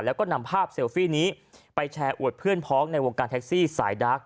แล้วก็นำภาพเซลฟี่นี้ไปแชร์อวดเพื่อนพ้องในวงการแท็กซี่สายดัก